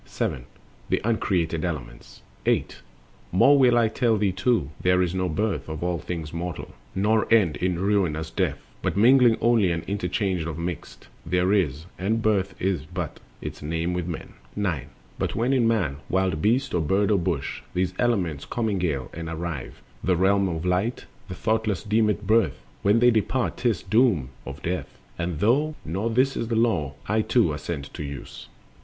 7. The uncreated elements. Birth and Death. 8. More will I tell thee too: there is no birth Of all things mortal, nor end in ruinous death; But mingling only and interchange of mixed There is, and birth is but its name with men. 9. But when in man, wild beast, or bird, or bush, These elements commingle and arrive The realms of light, the thoughtless deem it "birth"; When they dispart, 'tis "doom of death;" and though Not this the Law, I too assent to use. 10.